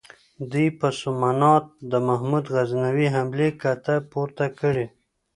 دوی په سومنات د محمود غزنوي حملې کته پورته کړې.